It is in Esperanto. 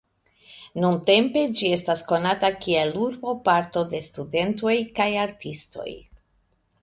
Nuntempe ĝi estas konata kiel urboparto de studentoj kaj artistoj.